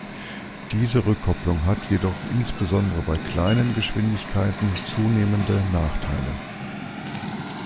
Diese Rückkopplung hat jedoch insbesondere bei kleinen Geschwindigkeiten zunehmende Nachteile.